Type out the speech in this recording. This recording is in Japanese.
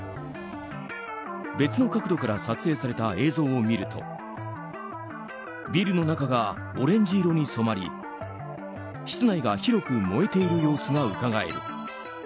別の角度から撮影された映像を見るとビルの中がオレンジ色に染まり室内が広く燃えている様子がうかがえる。